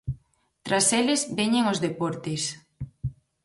Tras eles veñen os deportes.